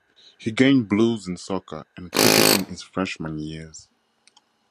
He gained blues in soccer and cricket in his freshman year.